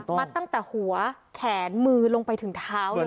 มัดตั้งแต่หัวแขนมือลงไปถึงเท้าเลย